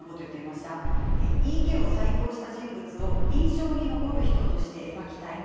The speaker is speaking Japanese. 井伊家を再興した人物を印象に残る人として描きたい。